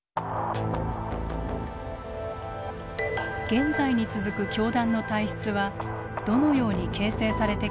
現在に続く教団の体質はどのように形成されてきたのか。